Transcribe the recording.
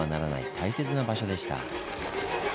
大切な場所でした。